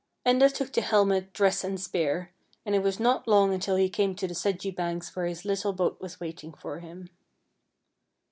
Enda took the helmet, dress, and spear, and it was not long until he came to the sedgy banks where his little boat was waiting for him.